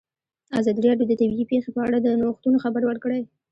ازادي راډیو د طبیعي پېښې په اړه د نوښتونو خبر ورکړی.